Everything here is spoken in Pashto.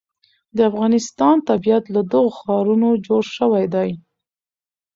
د افغانستان طبیعت له دغو ښارونو جوړ شوی دی.